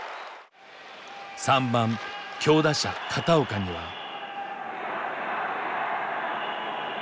３番強打者片岡には。